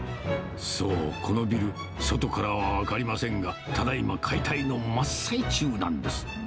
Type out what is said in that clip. そう、このビル、外からは分かりませんが、ただいま解体の真っ最中なんです。